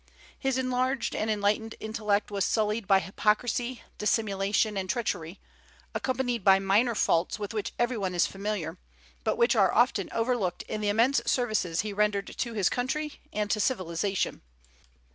His enlarged and enlightened intellect was sullied by hypocrisy, dissimulation, and treachery, accompanied by minor faults with which every one is familiar, but which are often overlooked in the immense services he rendered to his country and to civilization.